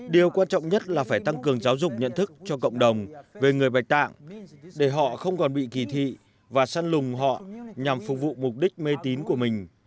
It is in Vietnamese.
điều quan trọng nhất là phải tăng cường giáo dục nhận thức cho cộng đồng về người bạch tạng để họ không còn bị kỳ thị và săn lùng họ nhằm phục vụ mục đích mê tín của mình